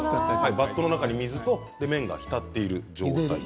バットの中に水と麺が浸っている状態。